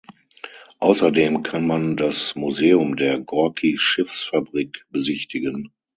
Außerdem kann man das Museum der Gorki-Schiffsfabrik besichtigen.